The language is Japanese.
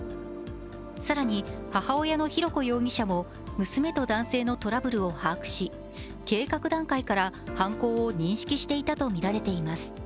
更に、母親の浩子容疑者も娘と男性のトラブルを把握し、計画段階から犯行を認識していたとみられています。